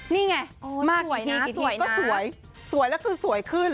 นี่ไงมากี่ทีสวยก็สวยสวยแล้วคือสวยขึ้น